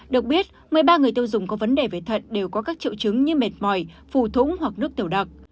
được biết một mươi ba người tiêu dùng có vấn đề về thận đều có các triệu chứng như mệt mỏi phù thủng hoặc nước tiểu đặc